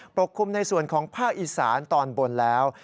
ปกคลุมในส่วนของภาคอีสานตอนบนแล้ว